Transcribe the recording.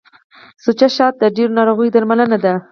سوچه شات د ډیرو ناروغیو درملنه ده.